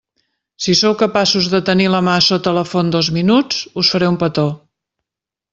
Si sou capaços de tenir la mà sota la font dos minuts, us faré un petó.